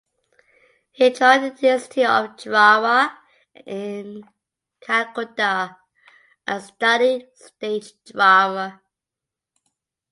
He joined the "Institute of Drama" in Calcutta and studied stage drama.